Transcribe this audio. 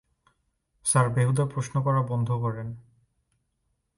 Sir, বেহুদা প্রশ্ন করা বন্ধ করেন।